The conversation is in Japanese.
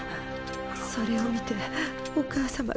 それを見てお母様が。